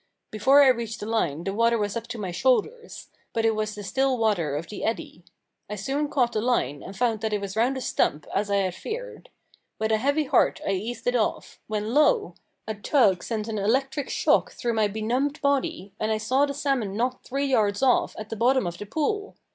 Before I reached the line the water was up to my shoulders; but it was the still water of the eddy. I soon caught the line and found that it was round a stump, as I had feared. With a heavy heart I eased it off when lo! a tug sent an electric shock through my benumbed body, and I saw the salmon not three yards off, at the bottom of the pool!